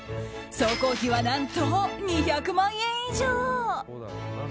総工費は何と２００万円以上。